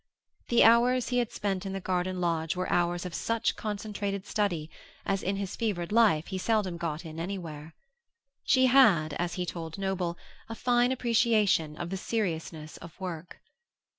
The hours he had spent in the garden lodge were hours of such concentrated study as, in his fevered life, he seldom got in anywhere. She had, as he told Noble, a fine appreciation of the seriousness of work.